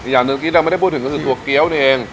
อย่างหนึ่งที่เราไม่ได้พูดถึงก็คือตัวเกี้ยวนี่เอง